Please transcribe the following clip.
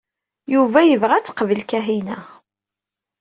Yuba yebɣa ad teqbel Kahina.